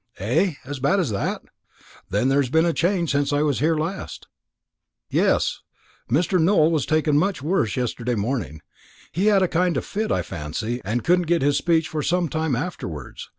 "Eh? As bad as that? Then there's been a change since I was here last." "Yes; Mr. Nowell was taken much worse yesterday morning. He had a kind of fit, I fancy, and couldn't get his speech for some time afterwards.